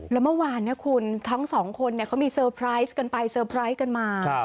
แล้วเมื่อวานนะคุณทั้งสองคนเขามีเซอร์ไพรส์กันไปเซอร์ไพรส์กันมา